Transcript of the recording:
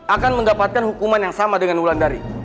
akan mendapatkan hukuman yang sama dengan wulan dari